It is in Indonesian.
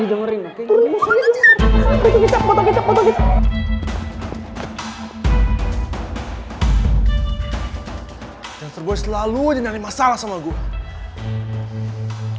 jangan terbosan selalu ngani masalah sama gue